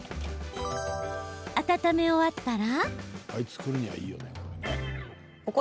温め終わったら。